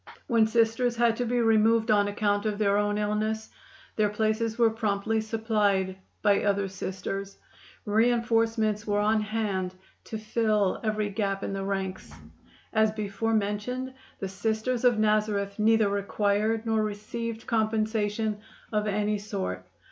When Sisters had to be removed on account of their own illness, their places were promptly supplied by other Sisters. Reinforcements were on hand to fill every gap in the ranks. As before mentioned, the Sisters of Nazareth neither required nor received compensation of any sort.